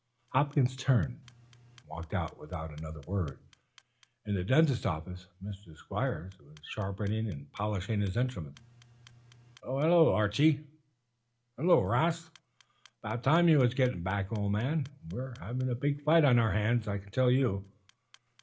Hopkins turned and walked out without another word. In the dentist's office Dr. Squiers was sharpening and polishing his instruments. "Hello, Archie." "Hello, 'Rast. 'Bout time you was getting back, old man. We're having a big fight on our hands, I can tell you."